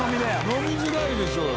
飲みづらいでしょうよ。